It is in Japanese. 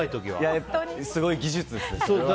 すごい技術ですね、それは。